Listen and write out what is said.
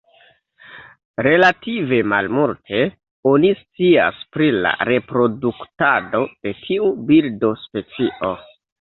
Relative malmulte oni scias pri la reproduktado de tiu birdospecio.